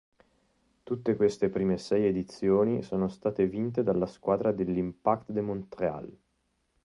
Tutte queste prime sei edizioni sono state vinte dalla squadra dell'Impact de Montréal.